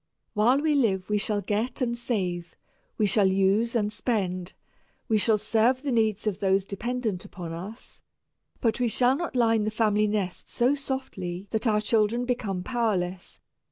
While we live we shall get and save, we shall use and spend, we shall serve the needs of those dependent upon us, but we shall not line the family nest so softly that our children become powerless.